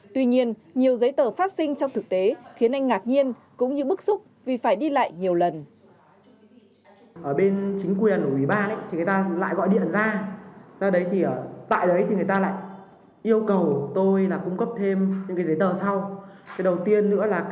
tuy nhiên nhiều giấy tờ phát sinh trong thực tế khiến anh ngạc nhiên